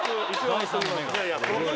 第三の目が。